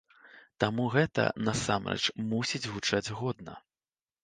Таму гэта, насамрэч, мусіць гучаць годна.